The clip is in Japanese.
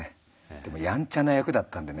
でもやんちゃな役だったんでね